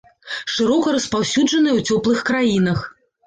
Шырока распаўсюджаныя ў цёплых краінах.